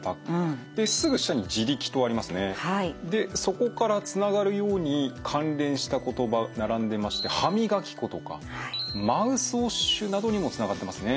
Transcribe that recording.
そこからつながるように関連した言葉並んでまして「歯磨き粉」とか「マウスウォッシュ」などにもつながってますね。